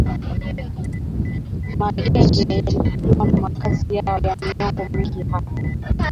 Magenge yamekuwa na makazi yao kwa miongo mingi hapo